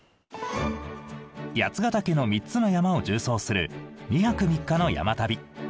八ヶ岳の３つの山を縦走する２泊３日の山旅。